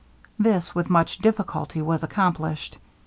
This with much difficulty was accomplished.